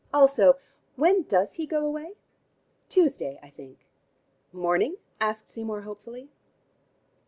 Also, when does he go away?" "Tuesday, I think." "Morning?" asked Seymour hopefully.